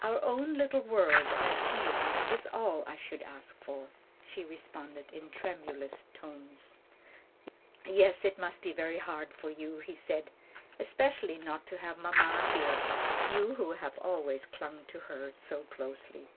"Our own little world at Ion is all I should ask for," she responded in tremulous tones. "Yes, it must be very hard for you," he said; "especially not to have mamma here, you who have always clung to her so closely.